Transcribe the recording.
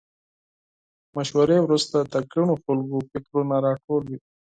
مشورې وروسته د ګڼو خلکو فکرونه راټول وي.